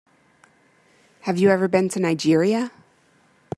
Have you ever been to Nigeria?